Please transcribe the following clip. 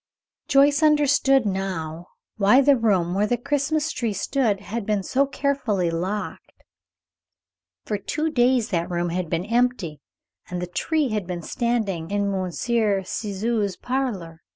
Joyce understood, now, why the room where the Christmas tree stood had been kept so carefully locked. For two days that room had been empty and the tree had been standing in Monsieur Ciseaux's parlor.